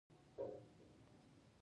نړۍ لویو نظامي قدرتونو لاس ګرېوان شول